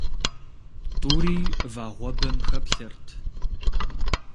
Тӏури вагъуэбэм хэплъэрт.